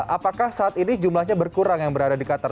apakah saat ini jumlahnya berkurang yang berada di qatar